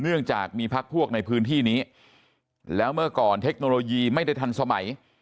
เนื่องจากมีพักพวกในพื้นที่นี้แล้วเมื่อก่อนเทคโนโลยีไม่ได้ทันสมัย